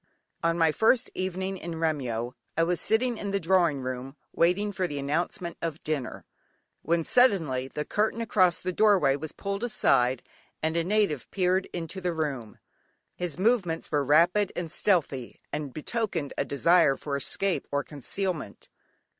"Yeomen of the Guard." On my first evening in Remyo I was sitting in the drawing room, waiting for the announcement of dinner, when suddenly, the curtain across the doorway was pulled aside, and a native peered into the room. His movements were rapid and stealthy, and betokened a desire for escape or concealment.